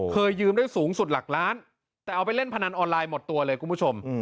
เคยยืมได้สูงสุดหลักล้านแต่เอาไปเล่นพนันออนไลน์หมดตัวเลยคุณผู้ชม